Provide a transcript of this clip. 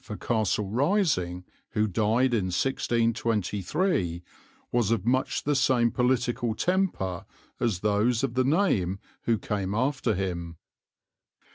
for Castle Rising, who died in 1623, was of much the same political temper as those of the name who came after him.